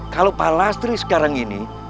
kalau pak lastri sekarang ini